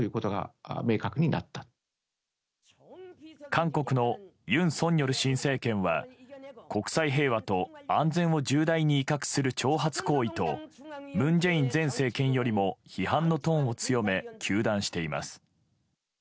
韓国の尹錫悦新政権は国際平和と安全を重大に威嚇する挑発行為と文在寅前政権よりも批判のトーンを強め糾弾しています。